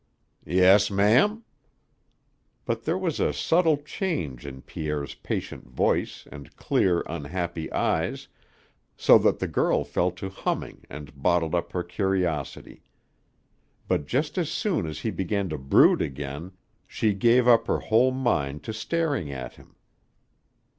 "Yes, ma'am." But there was a subtle change in Pierre's patient voice and clear, unhappy eyes, so that the girl fell to humming and bottled up her curiosity. But just as soon as he began to brood again she gave up her whole mind to staring at him.